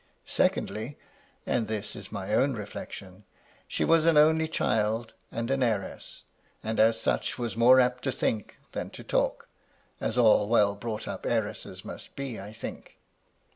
Secondly, — and ^this is my own reflection, — she was an only child and an heiress ; and as such was more apt to think than to talk, as all well brought up heiresses must be, I think.